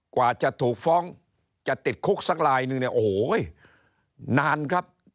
กว่าจะถูกฟ้องจะติดคุกสักลายนึงเนี่ยโอ้โหนานครับ